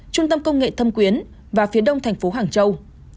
trung tâm công nghệ thâm quyến và phía đông thành phố hàng châu